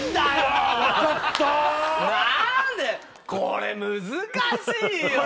これ難しいよ！